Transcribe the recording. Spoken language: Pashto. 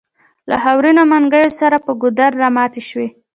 له خاورينو منګو سره پر ګودر راماتې شوې.